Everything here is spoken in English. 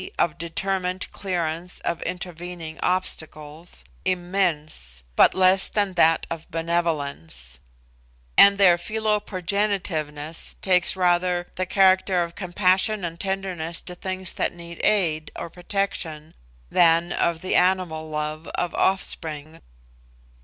of determined clearance of intervening obstacles) immense, but less than that of benevolence; and their philoprogenitiveness takes rather the character of compassion and tenderness to things that need aid or protection than of the animal love of offspring.